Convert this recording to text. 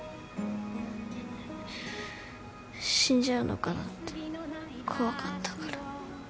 死んじゃうのかなって怖かったから。